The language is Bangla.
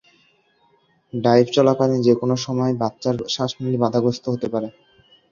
ডাইভ চলাকালীন যে কোনো সময় বাচ্চার শ্বাসনালী বাধাপ্রাপ্ত হতে পারে।